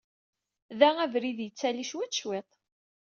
Da, abrid yettaley cwiṭ, cwiṭ.